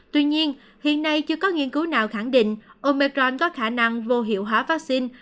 tuy nhiên hiện nay chưa có nghiên cứu nào khẳng định omecron có khả năng vô hiệu hóa vaccine